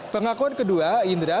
pengakuan kedua indra